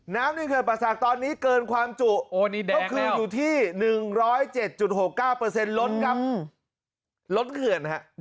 น้ำนี้เขื่อนป่าศักดิ์ตอนนี้เกินความจุก็คืออยู่ที่๑๐๗๖๙เปอร์เซ็นต์ล้นครับล้นเขื่อนครับ